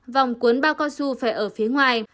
vòng cuốn bao cao su phải ở phía ngoài